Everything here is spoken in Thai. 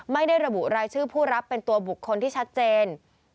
ไม่ได้ระบุรายชื่อผู้รับเป็นตัวบุคคลที่ชัดเจน